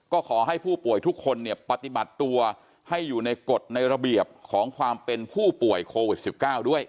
ก็ขอให้ผู้ป่วยทุกคนเนี่ยปฏิบัติตัวให้อยู่ในกฎในระเบียบของความเป็นผู้ป่วยโควิด๑๙ด้วย